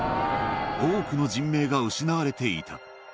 多くの人命が失われていた。